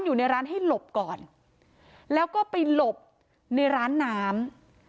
อยู่ในร้านให้หลบก่อนแล้วก็ไปหลบในร้านน้ำ